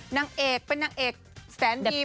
นางเอกเป็นนางเอกแสนดี